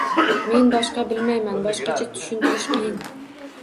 Men boshqa bilmayman, boshqacha tushuntirish qiyin